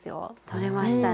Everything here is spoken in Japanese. とれましたね。